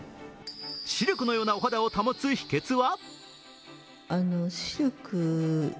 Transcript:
シルクのようなお肌を保つ秘けつは？